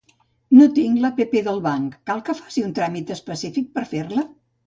No tinc l'app del banc, cal que faci un tràmit específic per fer-la?